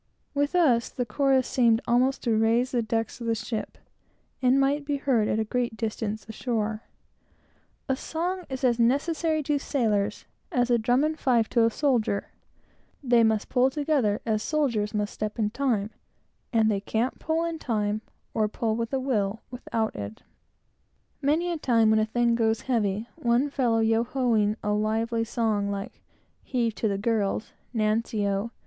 With us, the chorus seemed almost to raise the decks of the ship, and might be heard at a great distance, ashore. A song is as necessary to sailors as the drum and fife to a soldier. They can't pull in time, or pull with a will, without it. Many a time, when a thing goes heavy, with one fellow yo ho ing, a lively song, like "Heave, to the girls!" "Nancy oh!"